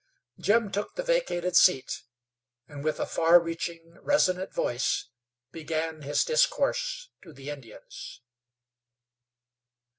Jim took the vacated seat, and, with a far reaching, resonant voice began his discourse to the Indians.